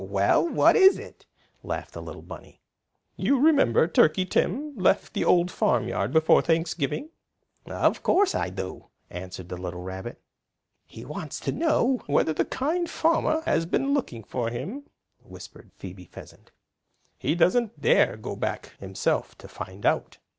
"Well, what is it?" laughed the little bunny. "You remember Turkey Tim left the Old Farmyard before Thanksgiving?" "Of course I do," answered the little rabbit. "He wants to know whether the Kind Farmer has been looking for him?" whispered Phoebe Pheasant. "He doesn't dare go back himself to find out."